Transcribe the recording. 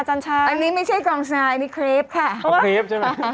จันทรายอันนี้ไม่ใช่กองทรายอันนี้ครีปค่ะเอาครีปใช่ไหมอ่า